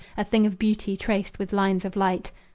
A thing of beauty traced with lines of light.